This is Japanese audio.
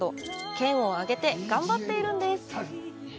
県を挙げて頑張っているんです。